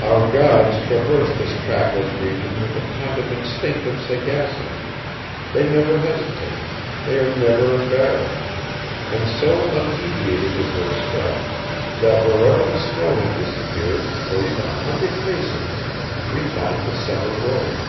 Our guides traverse this trackless region with a kind of instinctive sagacity; they never hesitate, they are never embarrassed; and so undeviating is their step, that wherever the snow has disappeared, for even a hundred paces, we find the summer road."